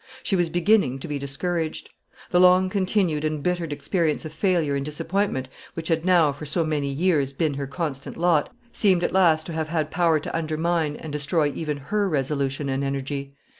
She was beginning to be discouraged. The long continued and bitter experience of failure and disappointment, which had now, for so many years, been her constant lot, seemed at last to have had power to undermine and destroy even her resolution and energy.